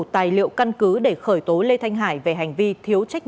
tại vì người ta trả vé đó